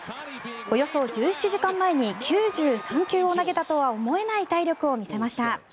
およそ１７時間前に９３球を投げたとは思えない体力を見せました。